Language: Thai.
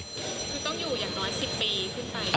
คือต้องอยู่อย่างน้อย๑๐ปีขึ้นไป